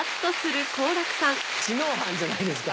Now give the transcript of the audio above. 知能犯じゃないですか。